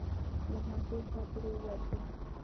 له همدې خوا پرې ورځو.